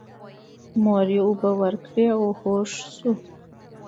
مور یې اوبه ورکړې او هوښ شو.